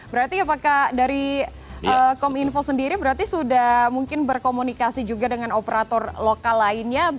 berarti apakah dari kominfo sendiri berarti sudah mungkin berkomunikasi juga dengan operator lokal lainnya